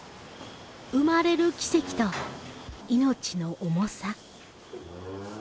生まれる奇跡と命の重さ。